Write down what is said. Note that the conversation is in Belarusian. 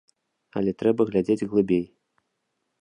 Але трэба глядзець глыбей.